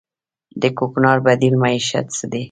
د کوکنارو بدیل معیشت څه دی؟